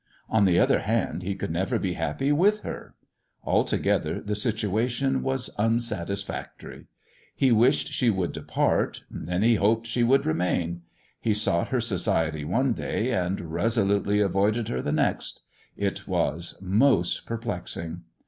On the other hand, he could never be happy with her. Altogether the situation was unsatisfactory. He wished she would depart, then he hoped she would rexoaui. He sought her society one day, and resolutely avoided heap the next. It was most perplexing.